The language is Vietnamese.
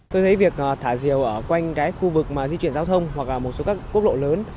tôi thấy việc thả diều ở quanh khu vực di chuyển giao thông hoặc là một số các quốc lộ lớn